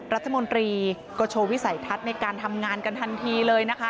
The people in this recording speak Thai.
รัฐมนตรีก็โชว์วิสัยทัศน์ในการทำงานกันทันทีเลยนะคะ